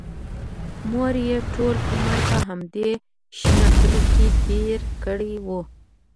مور یې ټول عمر په همدې شنه کلي کې تېر کړی و